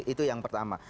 itu yang pertama